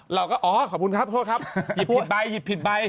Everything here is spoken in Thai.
เราก็อ๋อขอบคุณครับโทษครับหยิบผิดใบหยิบผิดใบ